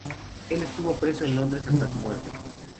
Él estuvo preso en Londres hasta su muerte.